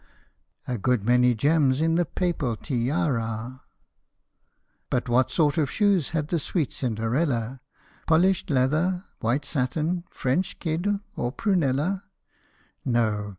a Good many gems in the papal tiara ! But what sort of shoes had the sweet Cinderella Polished leather, white satin, French kid, or prunella? No